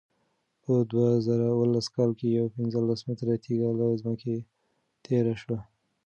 په دوه زره اوولس کال کې یوه پنځلس متره تېږه له ځمکې تېره شوه.